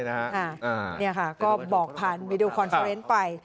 อันนี้ค่ะก็บอกผ่านวีดีโอคอนเฟอเรนซ์ไป